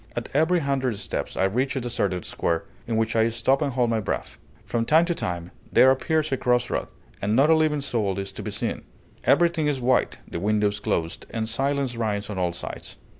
At every hundred steps I reach a deserted square, in which I stop and hold my breath; from time to time there appears a cross road, and not a living soul is to be seen; everything is white, the windows closed, and silence reigns on all sides.